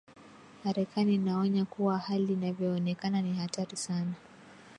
arekani inaonya kuwa hali inavyoonekana ni hatari sana